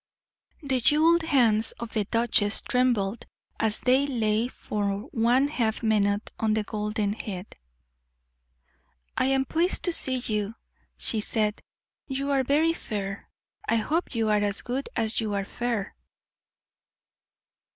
The jeweled hands of the duchess trembled as they lay for one half minute on the golden head. "I am pleased to see you," she said. "You are very fair; I hope you are as good as you are fair."